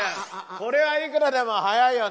これはいくらでも早いよね？